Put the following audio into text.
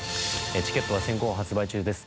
チケットは先行発売中です